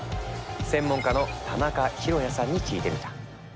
専門家の田中浩也さんに聞いてみた。